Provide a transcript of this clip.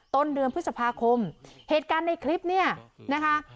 ต้นเดือนพฤษภาคมเหตุการณ์ในคลิปเนี่ยนะคะ